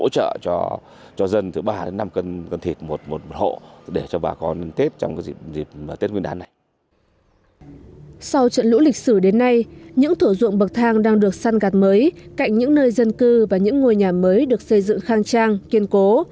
các ngôi nhà được săn gạt mới cạnh những nơi dân cư và những ngôi nhà mới được xây dựng khang trang kiên cố